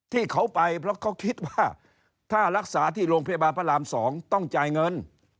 ที่เขาไปเพราะเขาคิดว่าถ้ารักษาที่โรงพยาบาลพระราม๒ต้องจ่ายเงิน